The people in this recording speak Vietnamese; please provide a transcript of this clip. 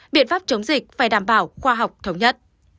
biện pháp chống dịch phải đảm bảo khoa học thống nhất